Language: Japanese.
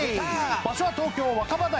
場所は東京若葉台。